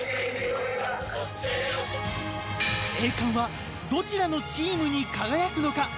栄冠はどちらのチームに輝くのか？